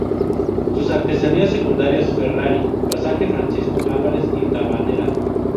Sus arterias secundarias: Ferrari, pasaje Francisco Álvarez, y Tabanera.